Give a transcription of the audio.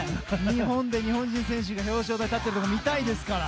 日本で日本人選手が表彰台に立っているところ見たいですから。